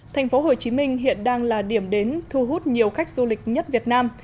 thành phố hồ chí minh hiện đang là điểm đến thu hút nhiều khách du lịch nhất việt nam